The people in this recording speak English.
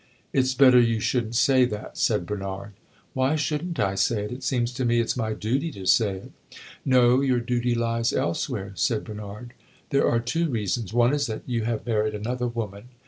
"It 's better you should n't say that," said Bernard. "Why should n't I say it? It seems to me it 's my duty to say it." "No your duty lies elsewhere," said Bernard. "There are two reasons. One is that you have married another woman."